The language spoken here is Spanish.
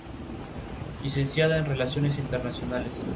Así, el individuo queda reducido a un mero servidor de un dios todopoderoso.